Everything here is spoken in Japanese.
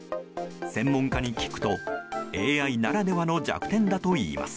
専門家に聞くとＡＩならではの弱点だといいます。